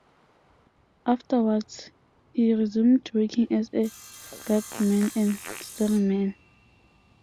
Afterwards he resumed working as a gagman and storyman.